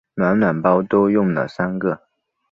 暖暖包都用了三个